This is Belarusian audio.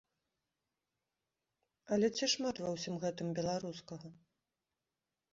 Але ці шмат ва ўсім гэтым беларускага?